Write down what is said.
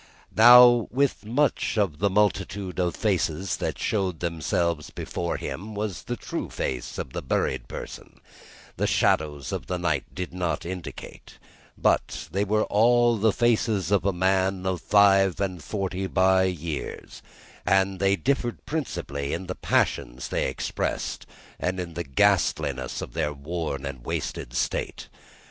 Now, which of the multitude of faces that showed themselves before him was the true face of the buried person, the shadows of the night did not indicate; but they were all the faces of a man of five and forty by years, and they differed principally in the passions they expressed, and in the ghastliness of their worn and wasted state.